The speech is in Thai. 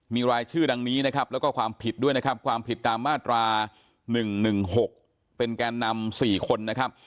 มีรายชื่อดังนี้และความผิดด้วยความผิดตามมาตรา๑๑๖เป็นแกนนำ๔คน